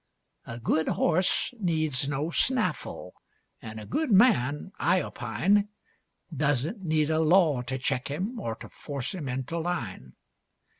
A good horse needs no snaffle, an' a good man, I opine, Doesn't need a law to check him or to force him into line.